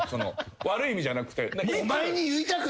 悪い意味じゃなくて。